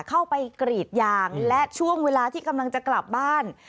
เข้าไปกรีดยางและช่วงเวลาที่กำลังจะกลับบ้าน